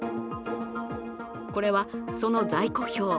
これは、その在庫表。